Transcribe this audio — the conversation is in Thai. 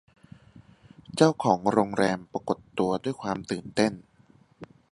เจ้าของโรงแรมปรากฏตัวด้วยความตื่นเต้น